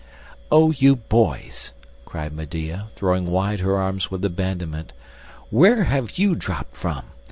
"O you boys!" cried Medea, throwing wide her arms with abandonment. "Where have you dropped from?